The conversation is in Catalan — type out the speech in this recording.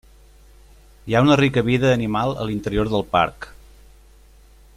Hi ha una rica vida animal a l'interior del parc.